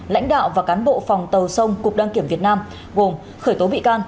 lãnh đạo và cán bộ phòng tàu sông cục đăng kiểm việt nam gồm khởi tố bị can